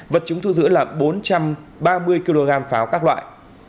vật chứng thu giữ là bốn trăm ba mươi kg pháo các loại